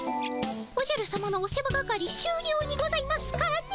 おじゃるさまのお世話係しゅうりょうにございますかね。